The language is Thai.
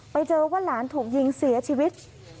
ไปเจอว่าหลานถูกยิงเสียชีวิต